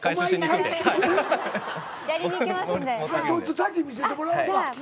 先見せてもらおか。